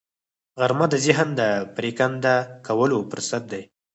غرمه د ذهن د پرېکنده کولو فرصت دی